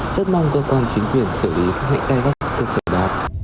rất mong cơ quan chính quyền xử lý các ngành tay gắt cơ sở đó